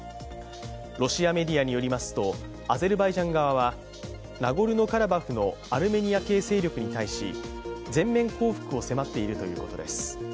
ロシアメディアによりますと、アゼルバイジャン側はナゴルノ・カラバフのアルメニア系勢力に対し全面降伏を迫っているということです。